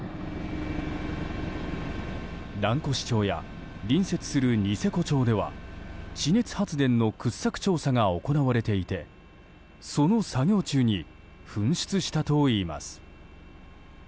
蘭越町や隣接するニセコ町では地熱発電の掘削調査が行われていてその作業中に噴出したといいます。